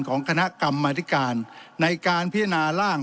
ของคณะกรรมธิการในการพิจารณาร่าง